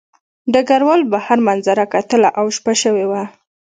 ډګروال بهر منظره کتله او شپه شوې وه